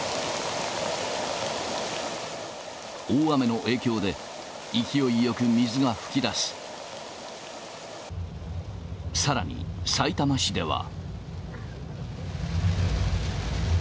大雨の影響で、勢いよく水が噴き出し、さらにさいたま市では。